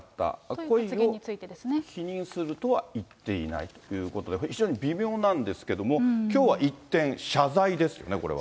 故意を否認するとは言っていないということで、非常に微妙なんですけど、きょうは一転、謝罪ですね、これは。